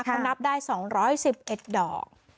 เขานับได้สองร้อยสิบเอ็ดดอก